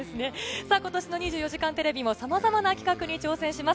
さあ、ことしの２４時間テレビもさまざまな企画に挑戦します。